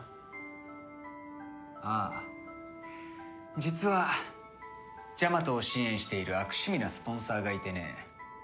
実はジャマトを支援している悪趣味なスポンサーがいてね。